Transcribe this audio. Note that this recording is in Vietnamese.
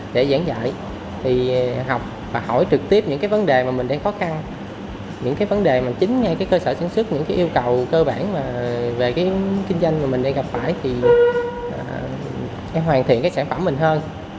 để giảng dạy thì học và hỏi trực tiếp những cái vấn đề mà mình đang khó khăn những cái vấn đề mà chính ngay cái cơ sở sản xuất những cái yêu cầu cơ bản về cái kinh doanh mà mình đang gặp phải thì sẽ hoàn thiện cái sản phẩm mình hơn